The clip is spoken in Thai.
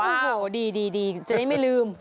โอ้โหดีจะได้ไม่ลืม